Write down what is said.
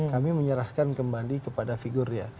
kami menyerahkan kembali kepada figurnya